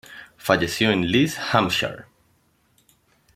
Falleció en Liss, Hampshire.